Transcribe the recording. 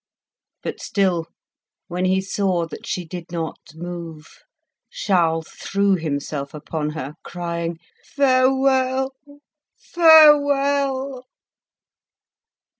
But still, when he saw that she did not move, Charles threw himself upon her, crying "Farewell! farewell!"